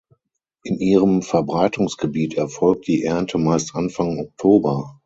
In ihrem Verbreitungsgebiet erfolgt die Ernte meist Anfang Oktober.